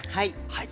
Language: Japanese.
はい。